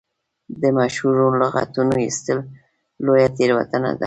د مشهورو لغتونو ایستل لویه تېروتنه ده.